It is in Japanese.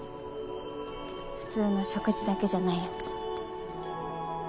普通の食事だけじゃないやつ。